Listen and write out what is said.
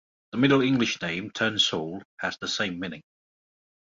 The Middle English name "turnsole" has the same meaning.